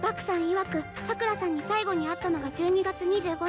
いわく桜さんに最後に会ったのが１２月２５日